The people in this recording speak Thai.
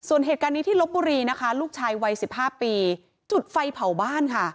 ส่วนเหตุการณ์นี้ที่ลบบุรีนะคะลูกชายวัย๑๕ปีจุดไฟเผาบ้านค่ะ